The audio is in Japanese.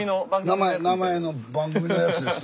名前名前の番組のやつです。